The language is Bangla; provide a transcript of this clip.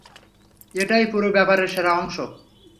এটাই পুরো ব্যাপারের সেরা অংশ।